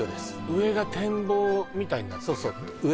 上が展望みたいになってるやつ？